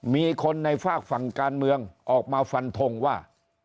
มีคนในฝากฝั่งการเมืองออกมาฟันทงว่า